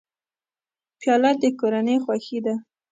پیاله د کورنۍ خوښي ده.